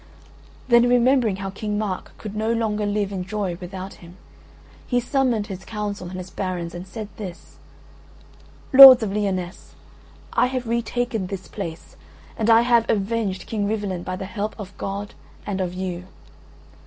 Then remembering how King Mark could no longer live in joy without him, he summoned his council and his barons and said this: "Lords of the Lyonesse, I have retaken this place and I have avenged King Rivalen by the help of God and of you.